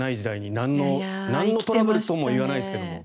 なんのトラブルもとはいわないですが。